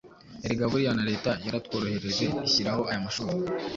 Erega buriya na Leta yaratworohereje ishyiraho aya mashuri!